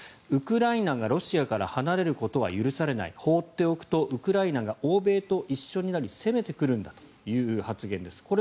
ウクライナがロシアから離れることは許されない放っておくとウクライナが欧米と一緒になり攻めてくるんだという発言です。